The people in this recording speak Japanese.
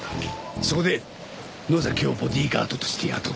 そこで野崎をボディーガードとして雇った。